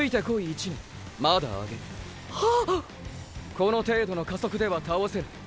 この程度の加速では倒せない。